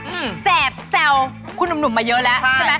มันก็จะแซ่บแซวคุณหนุ่มมาเยอะแล้วใช่ไหม